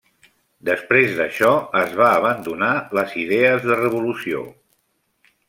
Després d'això es va abandonar les idees de Revolució.